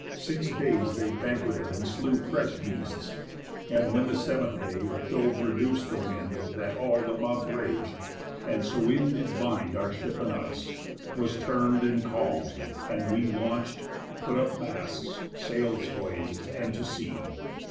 Six days they banqueted and slew fresh beasts; And when the sev'nth day Jove reduc'd the wind That all the month rag'd, and so in did bind Our ship and us, was turn'd and calm'd, and we Launch'd, put up masts, sails hoised, and to sea.